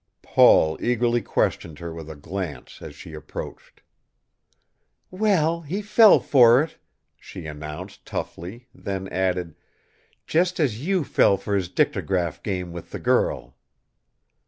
Paul eagerly questioned her with a glance as she approached. "Well, he fell for it," she announced, toughly, then added, "just as you fell for his dictagraph game with the girl."